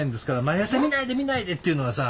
毎朝「見ないで見ないで」っていうのはさ。